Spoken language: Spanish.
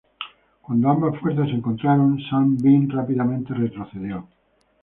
Cuando ambas fuerzas se encontraron Sun Bin rápidamente retrocedió.